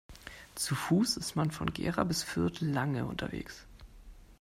Zu Fuß ist man von Gera bis Fürth lange unterwegs